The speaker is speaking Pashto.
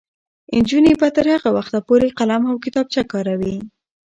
نجونې به تر هغه وخته پورې قلم او کتابچه کاروي.